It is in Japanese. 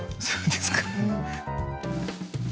そうですか。